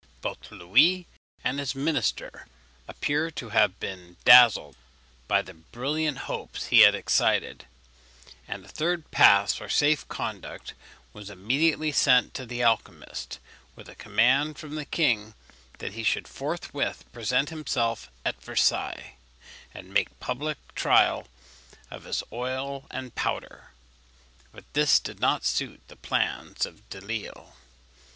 Both Louis and his minister appear to have been dazzled by the brilliant hopes he had excited, and a third pass, or safe conduct, was immediately sent to the alchymist, with a command from the king that he should forthwith present himself at Versailles, and make public trial of his oil and powder. But this did not suit the plans of Delisle.